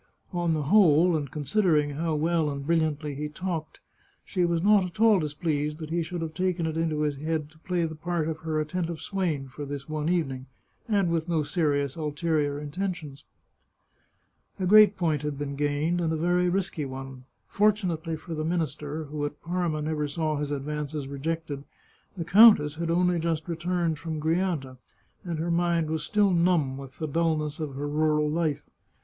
On the whole, and considering how well and brilliantly he talked, she was not at all displeased that he should have taken it into his head to play the part of her attentive swain for this one evening, and with no serious ulterior intentions. A great point had been gained, and a very risky one. Fortunately for the minister, who at Parma never saw his advances rejected, the countess had only just returned from Grianta, and her mind was still numb with the dulness of her rural life.